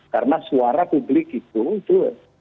karena suara publik itu itu lebih tersuai